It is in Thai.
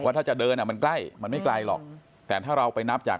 ถ้าจะเดินอ่ะมันใกล้มันไม่ไกลหรอกแต่ถ้าเราไปนับจาก